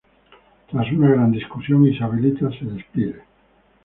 Tras una gran discusión, Isabelita se despide.